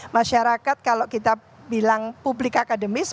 masyarakat kalau kita bilang publik akademis